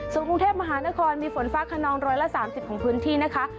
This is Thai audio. ส่วนกรุงเทพมหานครมีฝนฟ้าขนอง๑๓๐ของพื้นที่นะคะ